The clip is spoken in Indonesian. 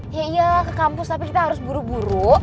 iya iya ke kampus tapi kita harus buru buru